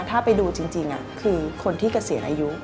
ถ้าไปดูจริงคือคนที่เกษียณอายุ